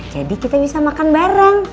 jadi kita bisa makan bareng